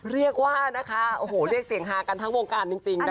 เรียกว่านะคะโอ้โหเรียกเสียงฮากันทั้งวงการจริงนะคะ